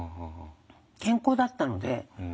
健康だったので。